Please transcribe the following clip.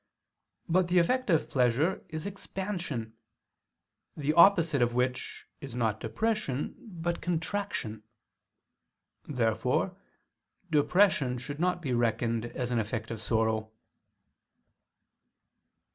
But the effect of pleasure is expansion: the opposite of which is not depression but contraction. Therefore depression should not be reckoned as an effect of sorrow.